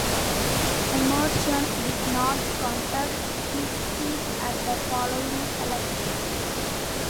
Emerson did not contest his seat at the following election.